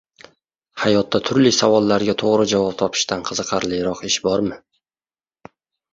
Hayotda turli savollarga to‘g‘ri javob topishdan qiziqarliroq ish bormi?